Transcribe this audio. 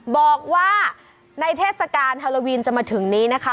บอกว่าในเทศกาลฮาโลวีนจะมาถึงนี้นะคะ